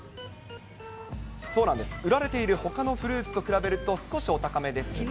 そうなんです、売られているほかのフルーツと比べると少しお高めですが。